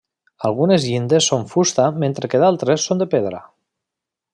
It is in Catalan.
Algunes llindes són fusta mentre que d'altres són de pedra.